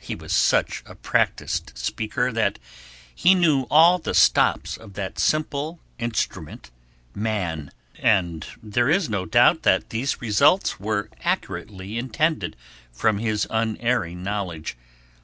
He was such a practised speaker that he knew all the stops of that simple instrument man, and there is no doubt that these results were accurately intended from his unerring knowledge.